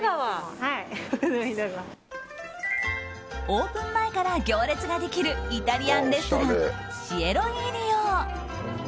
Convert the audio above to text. オープン前から行列ができるイタリアンレストランシエロイリオ。